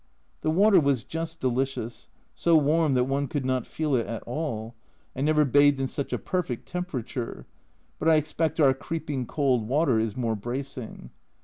The water was just delicious, so warm that one could not feel it at all, I never bathed in such a perfect temperature, but I expect our creeping cold water is more bracing.